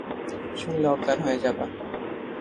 শুনলে অজ্ঞান হয়ে যাবা।